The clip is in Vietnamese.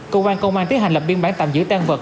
cơ quan công an tiến hành lập biên bản tạm giữ tan vật